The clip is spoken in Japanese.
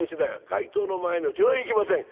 「街灯の前のうち行きません。